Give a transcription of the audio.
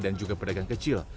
dan juga pedagang kecil